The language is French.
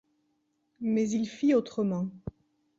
Mais il fit autrement.